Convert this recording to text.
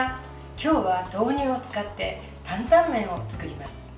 今日は豆乳を使って担々麺を作ります。